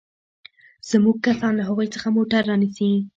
زموږ کسان له هغوى څخه موټر رانيسي.